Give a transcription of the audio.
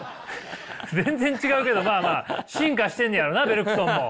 全然違うけどまあまあ進化してんねやろなベルクソンも。